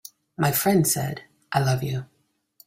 My friend said: "I love you.